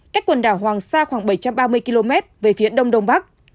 cách quần đảo hoàng sa khoảng bảy trăm ba mươi km về phía đông đông bắc